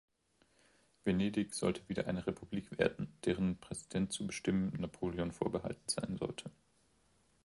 Venedig sollte wieder eine Republik werden, deren Präsident zu bestimmen Napoleon vorbehalten sein sollte.